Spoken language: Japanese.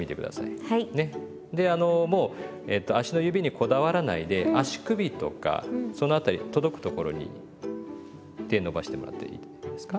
あのもう足の指にこだわらないで足首とかその辺り届くところに手伸ばしてもらっていいですか。